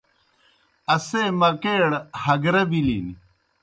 اسے مکیئڑ ہگرہ بِلِن۔